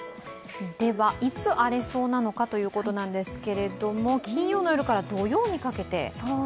いつ荒れそうなのかということなんですけれども、金曜の夜から土曜にかけて？